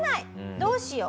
「どうしよう」